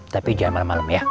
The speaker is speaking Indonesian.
tapi jangan malem malem ya